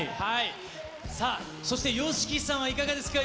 さあ、そして、ＹＯＳＨＩＫＩさんはいかがですか？